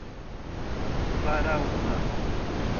Baraúna